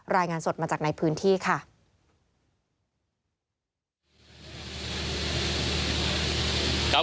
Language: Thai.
รายงานสดมาจากในพื้นที่ค่ะ